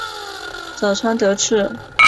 早川德次